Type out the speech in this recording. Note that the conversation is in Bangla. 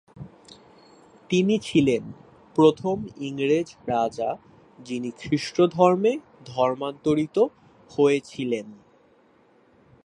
তিনি ছিলেন প্রথম ইংরেজ রাজা যিনি খ্রিস্টধর্মে ধর্মান্তরিত হয়েছিলেন।